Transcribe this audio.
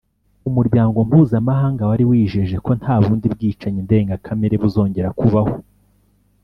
Umuryango Mpuzamahanga wari wijeje ko nta bundi bwicanyi ndengakamere buzongera kubaho